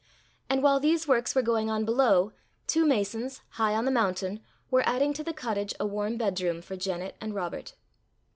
And while these works were going on below, two masons, high on the mountain, were adding to the cottage a warm bedroom for Janet and Robert.